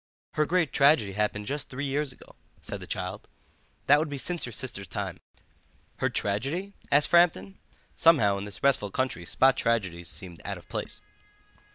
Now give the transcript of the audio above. "Her great tragedy happened just three years ago," said the child; "that would be since your sister's time." "Her tragedy?" asked Framton; somehow in this restful country spot tragedies seemed out of place.